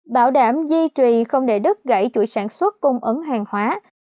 bảo đảm di trùy không để đất gãy chuỗi sản xuất cung ứng hàng hóa